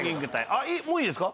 あっもういいですか？